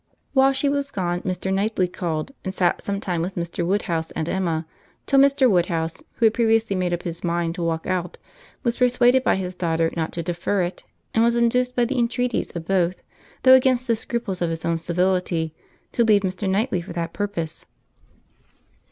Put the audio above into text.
While she was gone, Mr. Knightley called, and sat some time with Mr. Woodhouse and Emma, till Mr. Woodhouse, who had previously made up his mind to walk out, was persuaded by his daughter not to defer it, and was induced by the entreaties of both, though against the scruples of his own civility, to leave Mr. Knightley for that purpose.